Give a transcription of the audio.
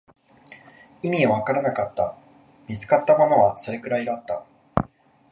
意味はわからなかった、見つかったものはそれくらいだった